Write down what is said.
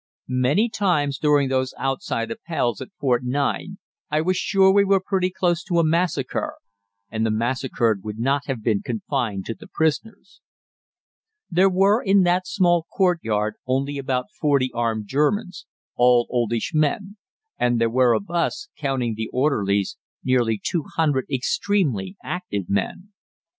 Many times during those outside Appells at Fort 9 I was sure we were pretty close to a massacre and the massacred would not have been confined to the prisoners. There were in that small courtyard only about forty armed Germans, all oldish men, and there were of us, counting the orderlies, nearly 200 extremely active men.